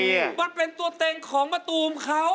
มันเป็นตัวเต็งของมะตูมเขา